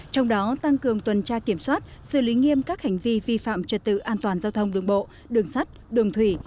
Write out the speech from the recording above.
trong đó tăng cường tuần tra kiểm soát xử lý nghiêm các hành vi vi phạm trật tự an toàn giao thông đường bộ đường sắt đường thủy